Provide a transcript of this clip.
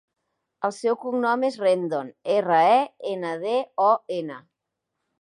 El seu cognom és Rendon: erra, e, ena, de, o, ena.